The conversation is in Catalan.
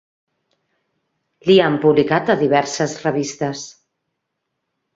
Li han publicat a diverses revistes.